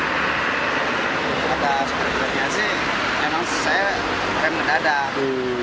karena tak segera jera dia sih emang saya rem ngedadak